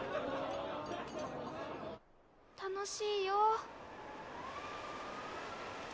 楽しいよ。